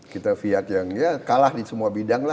kita fiat yang kalah di semua bidang